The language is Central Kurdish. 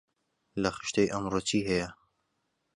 لە خشتەی ئەمڕۆ چی هەیە؟